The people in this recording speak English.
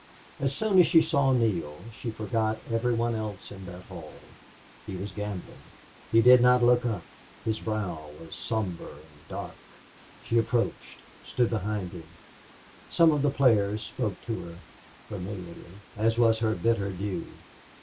As soon as she saw Neale she forgot every one else in that hall. He was gambling. He did not look up. His brow was somber and dark. She approached stood behind him. Some of the players spoke to her, familiarly, as was her bitter due.